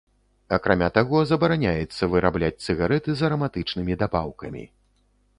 Акрамя таго, забараняецца вырабляць цыгарэты з араматычнымі дабаўкамі.